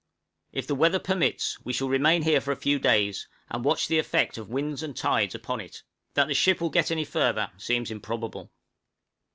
If the weather permits, we shall remain here for a few days and watch the effect of winds and tides upon it; that the ship will get any further seems improbable.